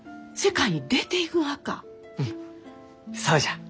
うんそうじゃ！